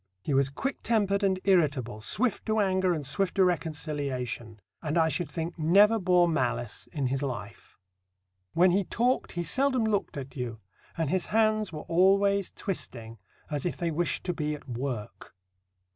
He was quick tempered and irritable, swift to anger and swift to reconciliation, and I should think never bore malice in his life. When he talked he seldom looked at you, and his hands were always twisting, as if they wished to be at work.